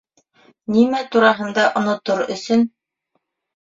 Нимә тураһында онотор өсөн?